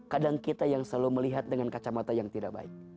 kadang kita yang selalu melihat dengan kacamata yang tidak baik